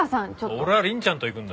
俺は凛ちゃんと行くんだ。